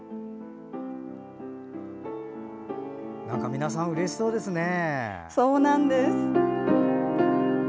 皆さんうれしそうですね。